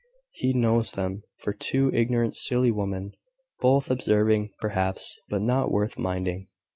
He knows them for two ignorant, silly women; worth observing, perhaps, but not worth minding.